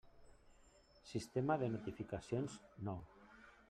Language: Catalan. Sistema de notificacions nou.